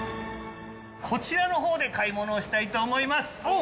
こちらのほうで買い物をしたいと思います。